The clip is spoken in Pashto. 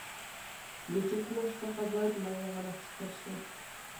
د ټیټ معاش څخه باید مالیه وانخیستل شي